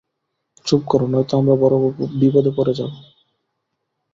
চুপ করো নয়তো আমরা বড় বিপদে পড়ে যাবো।